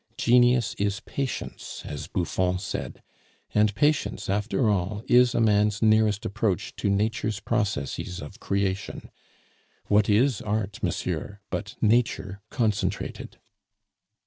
'Genius is patience,' as Buffon said. And patience after all is a man's nearest approach to Nature's processes of creation. What is Art, monsieur, but Nature concentrated?"